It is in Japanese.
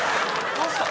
どうしたん？